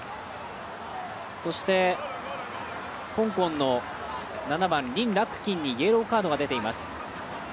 そして、香港の７番、リン・ラクキンにイエローカードが出ています。